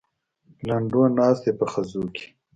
لنډو ناست دی په خزو کې.